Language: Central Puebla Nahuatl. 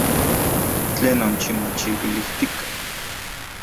¿Tlenon timochiuilijtika?